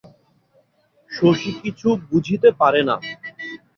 শশী কিছু বুঝিতে পারে না।